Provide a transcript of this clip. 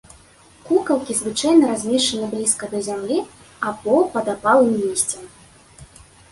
Кукалкі звычайна размешчаны блізка да зямлі або пад апалым лісцем.